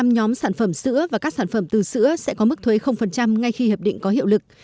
bốn mươi bốn nhóm sản phẩm sữa và các sản phẩm từ sữa sẽ có mức thuế ngay khi hiệp định có hiệu lực